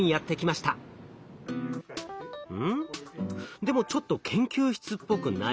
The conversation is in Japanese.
でもちょっと研究室っぽくない。